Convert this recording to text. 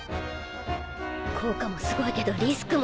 効果もすごいけどリスクもすごい。